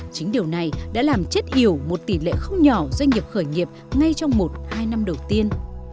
chính điều này đã làm chết hiểu một tỷ lệ không nhỏ doanh nghiệp khởi nghiệp ngay trong một hai năm đầu tiên